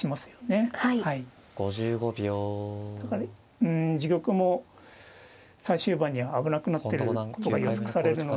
うん自玉も最終盤には危なくなってることが予測されるので。